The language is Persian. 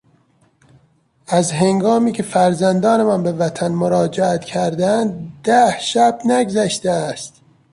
از هنگامی که فرزندانمان به وطن مراجعت کردهاند ده شب نگذشته است.